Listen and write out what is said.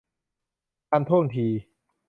ทันท่วงที